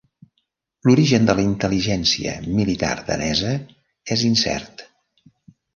L'origen de la intel·ligència militar danesa és incert.